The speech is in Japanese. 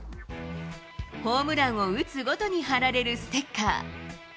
ホームランを打つごとに貼られるステッカー。